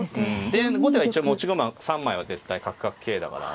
で後手は一応持ち駒３枚は絶対角角桂だから。